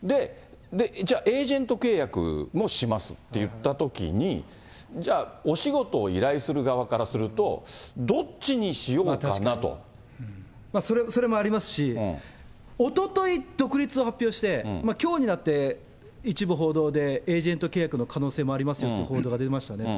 じゃあ、エージェント契約もしますって言ったときに、じゃあ、お仕事を依頼する側からすると、それもありますし、おととい独立を発表して、きょうになって、一部報道でエージェント契約の可能性もありますっていう報道が出ましたよね。